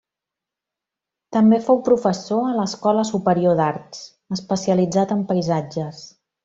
També fou professor a l'escola superior d'arts, especialitzat en paisatges.